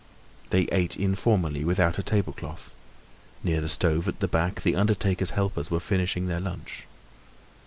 They ate informally, without a tablecloth. Near the stove at the back the undertaker's helpers were finishing their lunch.